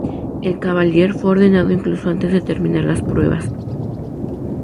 El Cavalier fue ordenado incluso antes de terminar las pruebas.